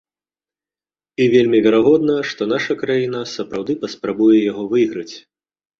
І вельмі верагодна, што наша краіна сапраўды паспрабуе яго выйграць.